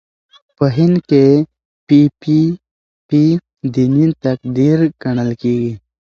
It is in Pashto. په هند کې پي پي پي دیني تقدیر ګڼل کېږي.